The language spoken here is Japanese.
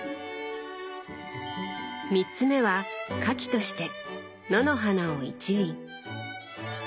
３つ目は花器として野の花を一輪。